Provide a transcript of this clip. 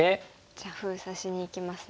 じゃあ封鎖しにいきますね。